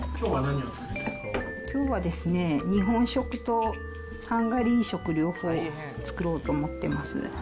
きょうはですね、日本食とハンガリー食両方作ろうと思ってます。